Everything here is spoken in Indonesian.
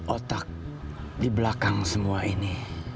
otak di belakang semua ini